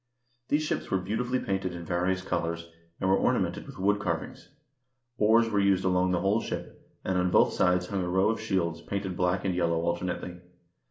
These ships were beautifully painted in various colors, and were ornamented with wood carvings. Oars were used along the whole ship, and on both sides hung a row of shields painted black and yellow alternately.